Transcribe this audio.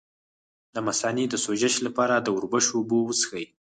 د مثانې د سوزش لپاره د وربشو اوبه وڅښئ